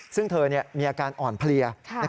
ซึ่งเธอมีอาการอ่อนเพลีย